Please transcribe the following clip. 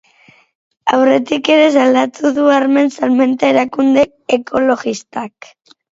Aurretik ere salatu du armen salmenta erakunde ekologistak.